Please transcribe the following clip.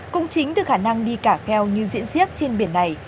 cũng chính từ khả năng đi cả kheo như diễn xuyếp trên biển này